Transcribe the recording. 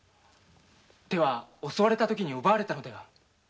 では襲われた時に奪われたのでは？